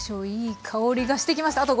いい香りがしてきました。